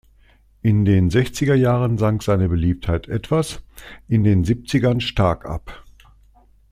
In den sechziger Jahren sank seine Beliebtheit etwas, in den Siebzigern stark ab.